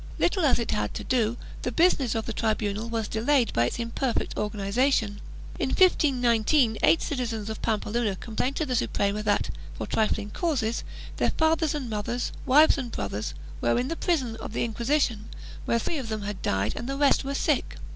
Little as it had to do, the business of the tribunal was delayed by its imperfect organization. In 1519 eight citizens of Pampeluna complained to the Suprema that, for trifling causes, their fathers and mothers, wives and brothers, were in the prison of the Inquisition, where three of them had died and the rest were sick.